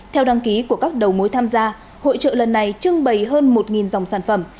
theo đăng ký của các đầu mối tham gia hội trợ lần này trưng bày hơn một dòng sản phẩm